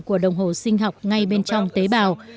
của đồng hồ sinh học ngay bên trong tế bào